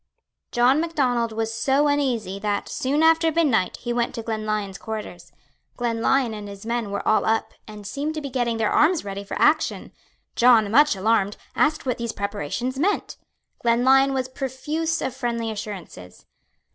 John Macdonald was so uneasy that, soon after midnight, he went to Glenlyon's quarters. Glenlyon and his men were all up, and seemed to be getting their arms ready for action. John, much alarmed, asked what these preparations meant. Glenlyon was profuse of friendly assurances.